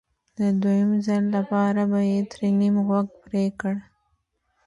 د دویم ځل لپاره به یې ترې نیم غوږ پرې کړ